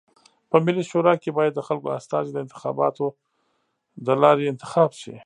په ملي شورا کي بايد د خلکو استازي د انتخاباتو د لاري انتخاب سی.